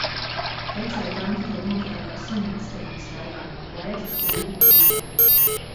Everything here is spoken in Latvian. Tecēja tantiņai nopakaļ kā sunītis, kad viņa staigāja no klēts uz kūti un citur.